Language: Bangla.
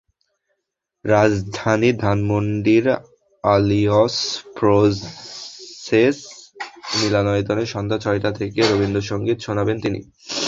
রাজধানীর ধানমন্ডির আলিয়ঁস ফ্রঁসেজ মিলনায়তনে সন্ধ্যা ছয়টা থেকে রবীন্দ্রসংগীত শোনাবেন তিনি।